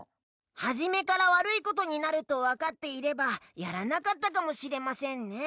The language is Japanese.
はじめから悪いことになるとわかっていればやらなかったかもしれませんね。